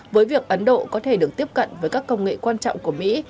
với việc ấn độ có thể được tiếp cận với các công nghệ quan trọng của mỹ